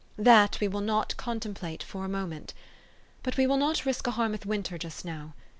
That we will not contem plate for a moment. But we will not risk a Har mouth winter just now.